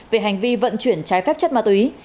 về hành vi vận chuyển trái phép chất ma túy